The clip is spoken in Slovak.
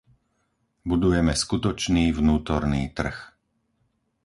Budujeme skutočný vnútorný trh.